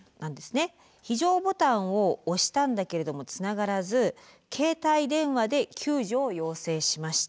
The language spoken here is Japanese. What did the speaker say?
非常ボタンを押したんだけれどもつながらず携帯電話で救助を要請しました。